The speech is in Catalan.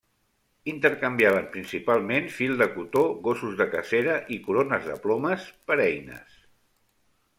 Intercanviaven principalment fil de cotó, gossos de cacera i corones de plomes per eines.